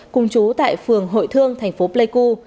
cùng chú tại phường hội thương thành phố pleiku